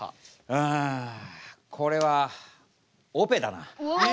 うんこれはオペだな。